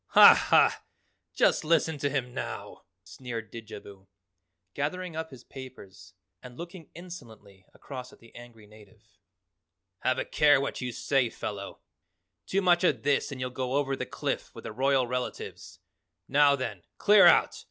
"Ha, ha! Just listen to him now," sneered Didjabo, gathering up his papers and looking insolently across at the angry native. "Have a care what you say, fellow. Too much of this and you'll go over the cliff with the royal relatives. Now, then, clear out!